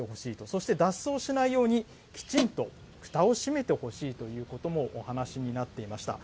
そして脱走しないように、きちんとふたを閉めてほしいということもお話になっていました。